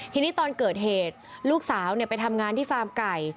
ทีนี้ตอนเกิดเหตุลูกสาวไปทำงานที่ฟาร์มไก่